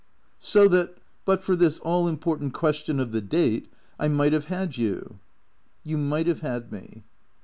" So that, but for this all important question of the date, I might have had you ?"" You might have had me."